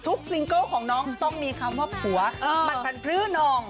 ทุกซิงเกิลของน้องต้องมีคำว่าผัวบัตรภัณฑ์พลื้อน้อง